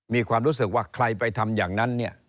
มีความรู้สึกว่าใครไปทำอย่างนั้นเนี่ย